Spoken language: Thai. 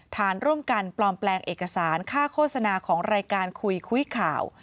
ฐานร่วมกันปลอมแปลงเอกสารค่าโฆษณาของรายการคุยคุยข่าว